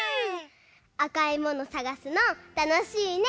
あかいものさがすのたのしいね！